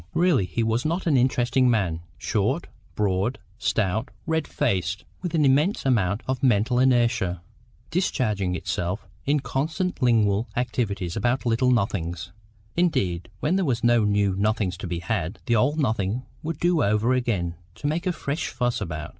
Really he was not an interesting man: short, broad, stout, red faced, with an immense amount of mental inertia, discharging itself in constant lingual activity about little nothings. Indeed, when there was no new nothing to be had, the old nothing would do over again to make a fresh fuss about.